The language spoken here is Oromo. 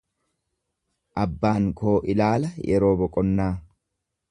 Abbaan koo ilaala yeroo boqonnaa.